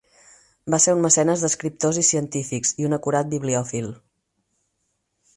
Va ser un mecenes d'escriptors i científics, i un acurat bibliòfil.